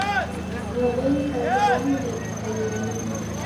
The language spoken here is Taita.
W'abonyi kazi w'amu ndew'ikaia luma.